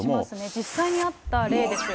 実際にあった例です。